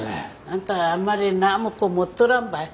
あんたあんまり何も持っとらんばい。